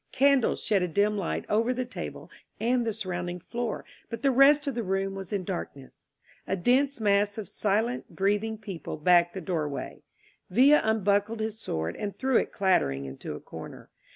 Candles shed a dim light over the table and the surrounding floor, but the rest of the room was in darkness. A dense mass of silent, breath ing people packed the doorway. Villa unbuckled his sword and threw it clattering into a corner.